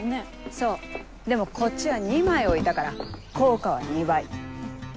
そうでもこっちは２枚置いたから効果は２倍。